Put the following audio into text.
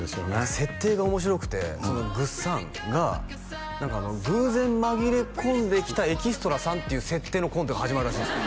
設定が面白くてぐっさんが何か偶然紛れ込んできたエキストラさんっていう設定のコントが始まるらしいんですよ